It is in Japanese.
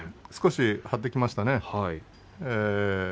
少し張ってきましたね。